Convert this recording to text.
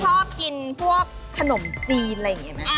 ชอบกินพวกขนมจีนอะไรอย่างนี้ไหม